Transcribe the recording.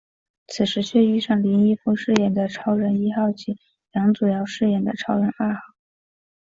此时却遇上林一峰饰演的超人一号及梁祖尧饰演的超人二号。